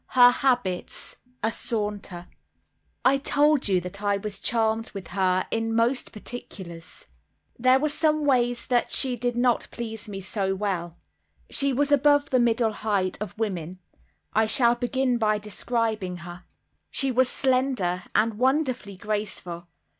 Her Habits—A Saunter I told you that I was charmed with her in most particulars. There were some that did not please me so well. She was above the middle height of women. I shall begin by describing her. She was slender, and wonderfully graceful.